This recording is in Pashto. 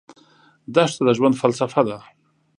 دښته د ژوند فلسفه ده.